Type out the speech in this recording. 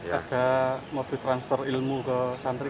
ada mobil transfer ilmu ke santri